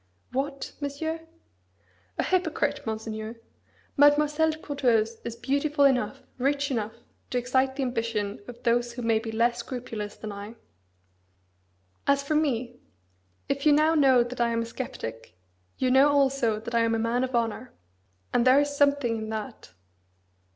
"What, Monsieur?" "A hypocrite, Monseigneur! Mademoiselle de Courteheuse is beautiful enough, rich enough, to excite the ambition of those who may be less scrupulous than I. As for me, if you now know that I am a sceptic, you know also that I am a man of honour: and there is something in that!"